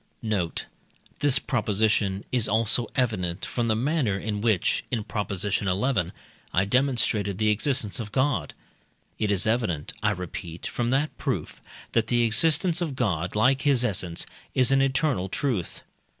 Note. This proposition is also evident from the manner in which (in Prop. xi.) I demonstrated the existence of God; it is evident, I repeat, from that proof, that the existence of God, like his essence, is an eternal truth.